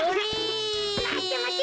まてまて！